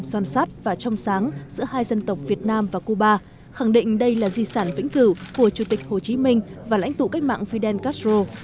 son sát và trong sáng giữa hai dân tộc việt nam và cuba khẳng định đây là di sản vĩnh cửu của chủ tịch hồ chí minh và lãnh tụ cách mạng fidel castro